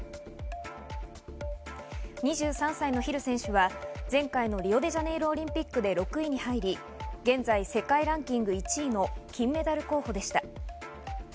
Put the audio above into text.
２３歳のヒル選手は前回のリオデジャネイロオリンピックで６位に入り、現在、世界ランキング１位の金メダル候補でした。